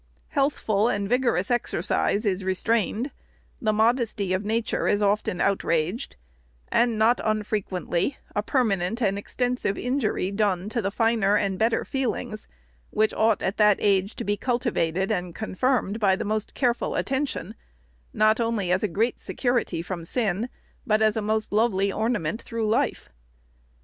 Healthful and vigorous exer cise is restrained ; the modesty of nature is often out raged ; and, not unfrequently, a permanent and extensive injury done to the finer and better feelings, which ought, at that age, to be cultivated and confirmed by the most careful attention, not only as a great security from sin, but as a most lovely ornament through life.